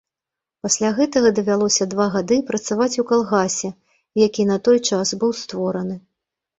Пасля гэтага давялося два гады працаваць у калгасе, які на той час быў створаны.